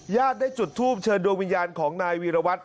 ญาติได้จุดทูปเชิญดวงวิญญาณของนายวีรวัตร